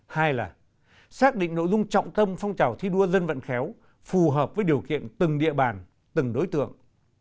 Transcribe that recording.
hai là xác định nội dung trọng tâm phong trào thi đua dân vận khéo phù hợp với điều kiện từng địa bàn từng đối tượng